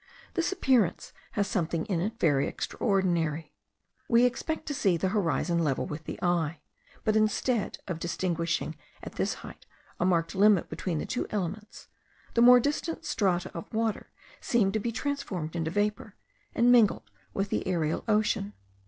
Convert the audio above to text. This appearance has something in it very extraordinary. We expect to see the horizon level with the eye; but, instead of distinguishing at this height a marked limit between the two elements, the more distant strata of water seem to be transformed into vapour, and mingled with the aerial ocean.